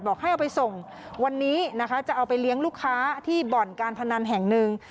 ให้เอาไปส่งวันนี้นะคะจะเอาไปเลี้ยงลูกค้าที่บ่อนการพนันแห่งหนึ่ง